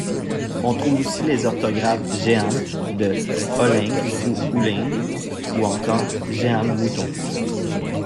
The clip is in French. On trouve aussi les orthographes Jehan de Hollingue ou Houllingue, ou encore Jehan Mouton.